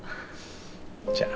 じゃあ。